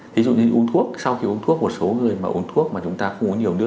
thí dụ như ung thuốc sau khi ung thuốc một số người mà ung thuốc mà chúng ta không uống nhiều nước